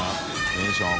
テンション